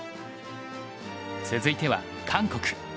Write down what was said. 続いては韓国。